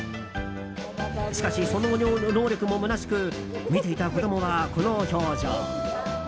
しかし、その能力もむなしく見ていた子供は、この表情。